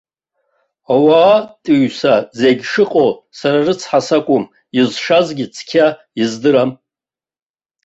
Ауаатәыҩса зегьы шыҟоу, сара рыцҳа сакәым, изшазгьы цқьа издыруам.